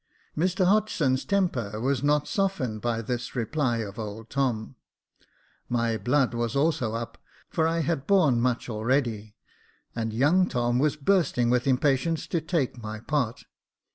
Mr Hodgson's temper was not softened by this reply of old Tom» My blood was also up, for I had borne much already j and young Tom was bursting with impatience to take my part.